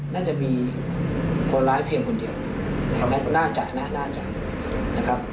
น่าจะมีคนร้ายเพียงคนเดียวน่าจะนะครับ